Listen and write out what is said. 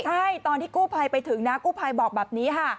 ใช่ตอนที่กู้ภัยไปถึงนะกู้ภัยบอกแบบนี้ค่ะ